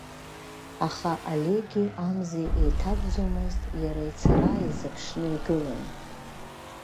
Аха Олеги Амзеи еиҭаҵӡомызт, иара ицара иазыԥшны игылан.